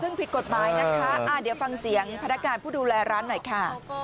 ซึ่งผิดกฎหมายนะคะเดี๋ยวฟังเสียงพนักงานผู้ดูแลร้านหน่อยค่ะ